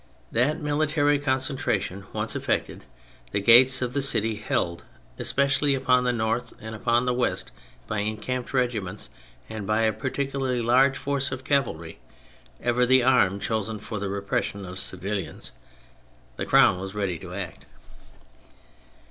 That military concentration once effected, the gates of the city held, especially upon the north and upon the west, by encamped regiments and by a particularly large force of cavalry (ever the arm chosen for the repression of civilians), the Crown was ready to act.